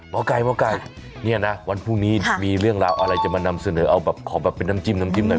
หมอไก่หมอไก่เนี่ยนะวันพรุ่งนี้มีเรื่องราวอะไรจะมานำเสนอเอาแบบขอแบบเป็นน้ำจิ้มน้ำจิ้มหน่อย